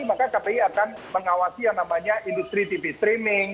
maka kpi akan mengawasi yang namanya industri tv streaming